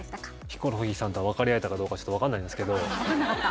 ヒコロヒーさんと分かり合えたかどうかちょっと分かんないですけど分かんなかった？